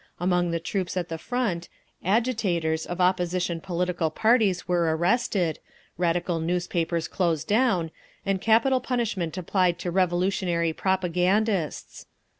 Among the troops at the front, "agitators" of opposition political parties were arrested, radical newspapers closed down, and capital punishment applied—to revolutionary propagandists.